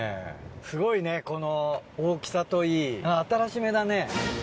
すごいねこの大きさといい新しめだね。